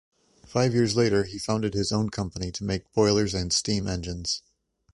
Five years later he founded his own company to make boilers and steam engines.